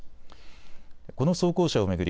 この装甲車を巡り